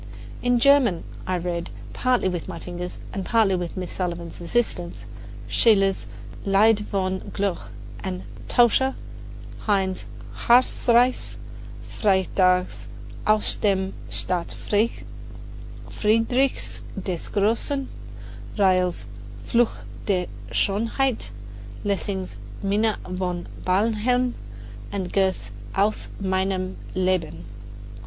In German I read, partly with my fingers and partly with Miss Sullivan's assistance, Schiller's "Lied von der Glocke" and "Taucher," Heine's "Harzreise," Freytag's "Aus dem Staat Friedrichs des Grossen," Riehl's "Fluch Der Schonheit," Lessing's "Minna von Barnhelm," and Goethe's "Aus meinem Leben."